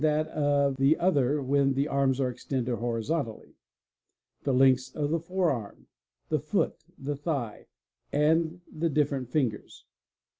2 274 THE EXPERT that of the other when the arms are extended horizontally, the lengths of the forearm, the foot, the thigh, and the different fingers.